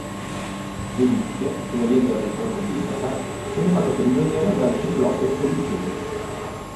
Ulisse, sulla via del ritorno di Itaca, viene fatto prigioniero del ciclope Polifemo.